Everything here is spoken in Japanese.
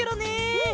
うん。